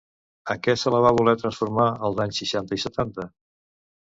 En què se la va voler transformar als anys seixanta i setanta?